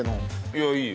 いやいい。